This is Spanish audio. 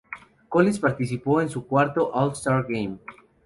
Collins participó en cuatro All-Star Game.